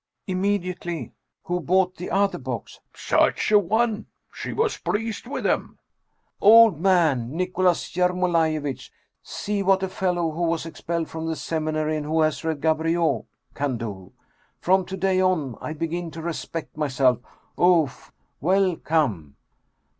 Immediately :* Who bought the other box ?'' Such a one ! She was pleased with them !' Old man ! Nicholas Yermolaiyevitch ! See what a fellow who was expelled from the seminary and who has read Gaboriau can do! From to day on I begin to respect myself ! Oof ! Well, come